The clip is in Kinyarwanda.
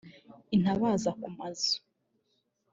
Intabaza ku mazu